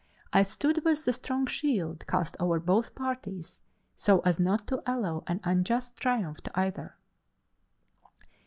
I stood with the strong shield cast over both parties so as not to allow an unjust triumph to either."